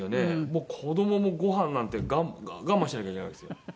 もう子どももごはんなんて我慢しなきゃいけないんですよ。